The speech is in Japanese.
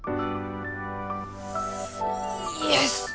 イエス！